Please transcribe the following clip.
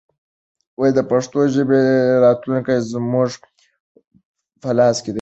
د پښتو ژبې راتلونکی زموږ په لاس کې دی.